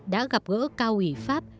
đã gặp gỡ cao ủy pháp